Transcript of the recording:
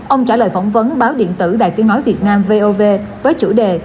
ông trả lời phỏng vấn báo điện tử đài tiếng nói việt nam vov với chủ đề